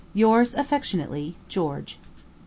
Yours affectionately, GEORGE.